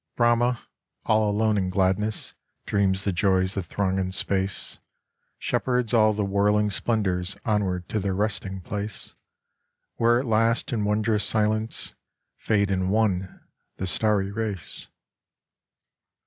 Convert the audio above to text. Brahma, all alone in gladness, dreams the joys that throng in space, Shepherds all the whirling splendours onward to their resting place, Where at last in wondrous silence fade in One the starry race.